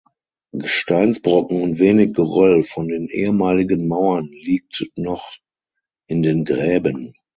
Gesteinsbrocken und wenig Geröll von den ehemaligen Mauern liegt noch in den Gräben.